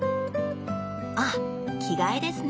あっ着替えですね。